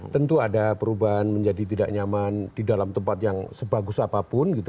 tentu ada perubahan menjadi tidak nyaman di dalam tempat yang sebagus apapun gitu